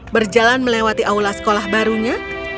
berjalan melewati aula sekolah barunya